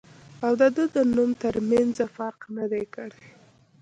او د دۀ د نوم تر مېنځه فرق نۀ دی کړی